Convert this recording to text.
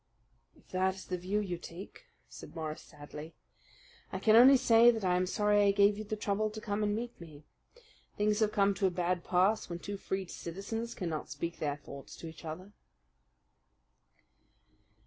"If that is the view you take," said Morris sadly, "I can only say that I am sorry I gave you the trouble to come and meet me. Things have come to a bad pass when two free citizens cannot speak their thoughts to each other."